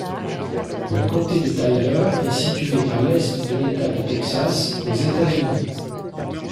Le comté de Tyler est situé à l'est de l'État du Texas, aux États-Unis.